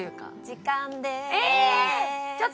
時間です。